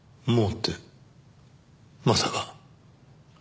「もう」ってまさか。